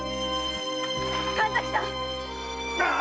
神崎さん！